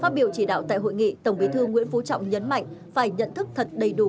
phát biểu chỉ đạo tại hội nghị tổng bí thư nguyễn phú trọng nhấn mạnh phải nhận thức thật đầy đủ